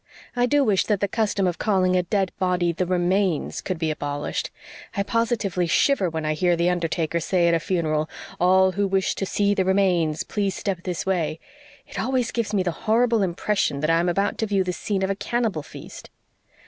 I do wish that the custom of calling a dead body 'the remains' could be abolished. I positively shiver when I hear the undertaker say at a funeral, 'All who wish to see the remains please step this way.' It always gives me the horrible impression that I am about to view the scene of a cannibal feast."